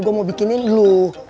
gue mau bikinin lu